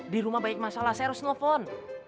di rumah baik masalah saya harus nelfon